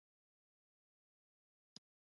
پاچا ته بيا خلک په سختو ورځو کې ور په ياد وي.